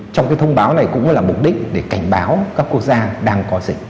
trong cái thông báo này cũng là mục đích để cảnh báo các quốc gia đang có dịch